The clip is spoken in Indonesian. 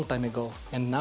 itu meningkatkan bahaya